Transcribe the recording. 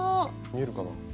見えるかな？